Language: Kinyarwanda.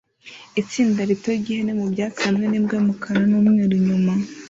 itsinda rito ryihene mubyatsi hamwe nimbwa yumukara numweru inyuma